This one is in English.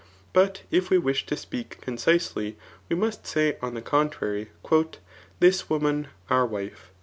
But if we wish to speak con cisely, we must say on the contrary, ^^ this woman our wife."